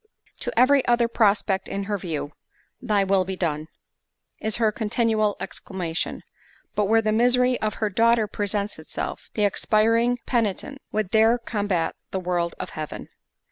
To every other prospect in her view, "Thy will be done" is her continual exclamation; but where the misery of her daughter presents itself, the expiring penitent would there combat the will of Heaven.